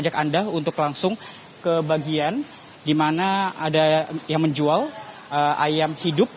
saya untuk langsung ke bagian di mana ada yang menjual ayam hidup